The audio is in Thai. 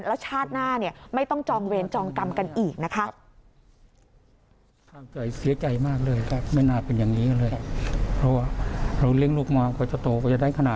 แล้วชาติหน้าไม่ต้องจองเวรจองกรรมกันอีกนะคะ